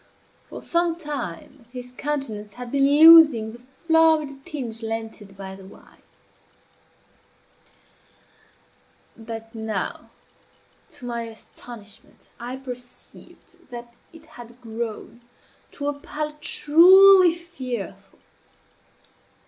For some time his countenance had been losing the florid tinge lent it by the wine; but now, to my astonishment, I perceived that it had grown to a pallor truly fearful.